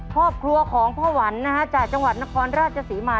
ครอบครัวของพ่อหวันนะฮะจากจังหวัดนครราชศรีมา